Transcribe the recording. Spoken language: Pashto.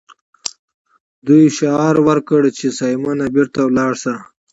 دوی شعار ورکړ چې سایمن بیرته لاړ شه.